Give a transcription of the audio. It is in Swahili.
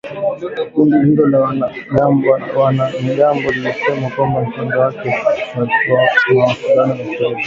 Kundi hilo la wanamgambo lilisema kwenye mtandao wake wa mawasiliano ya telegram.